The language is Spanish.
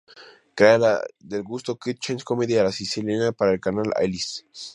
Crea "L’Isola del gusto", kitchen comedy a la siciliana, para el canal "Alice".